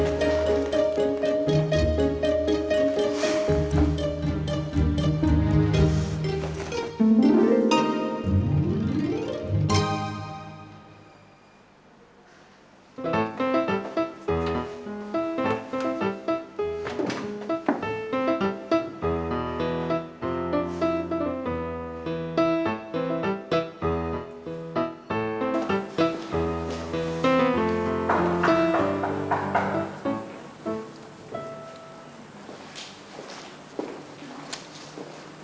kamu ada sama